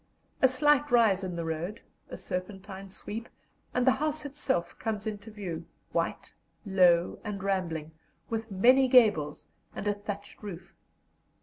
A slight rise in the road, a serpentine sweep, and the house itself comes into view, white, low, and rambling, with many gables and a thatched roof.